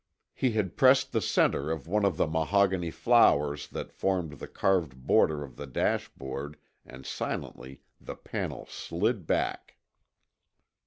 He had pressed the center of one of the mahogany flowers that formed the carved border of the dash board and silently the panel slid back.